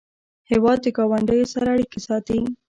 هېواد د ګاونډیو سره اړیکې ساتي.